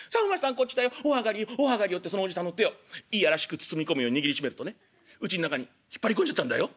こっちだよお上がりよお上がりよ』ってそのおじさんの手を嫌らしく包み込むように握りしめるとねうちん中に引っ張り込んじゃったんだよ」。